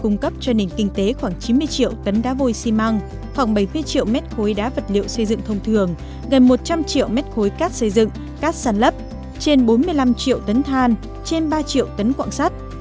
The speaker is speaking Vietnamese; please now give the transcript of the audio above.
gần một trăm linh triệu mét khối cát xây dựng cát sản lấp trên bốn mươi năm triệu tấn than trên ba triệu tấn quạng sắt